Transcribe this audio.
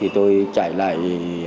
tôi chạy lại